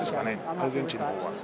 アルゼンチンの方は。